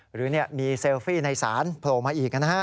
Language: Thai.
หรือมีเซลฟี่ในศาลโผล่มาอีกนะฮะ